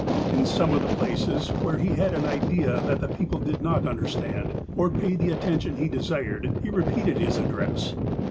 In some of the places, where he had an idea that the people did not understand, or pay the attention he de sired, he repeated his address.